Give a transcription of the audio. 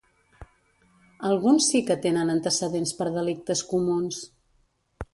Alguns sí que tenen antecedents per delictes comuns.